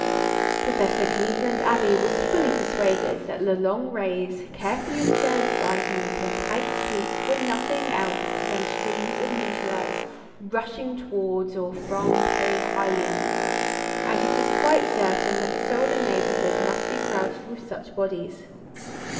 Professor Cleveland Abbe was fully persuaded that the long rays carefully observed by him from Pike's Peak were nothing else than streams of meteorites rushing towards or from perihelion; and it is quite certain that the solar neighbourhood must be crowded with such bodies.